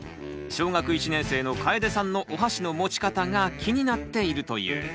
小学１年生のかえでさんのおはしの持ち方が気になっているという。